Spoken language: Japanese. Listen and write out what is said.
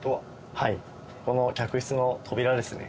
この客室の扉ですね。